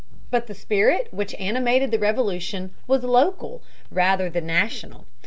But the spirit which animated the Revolution was local, rather than national.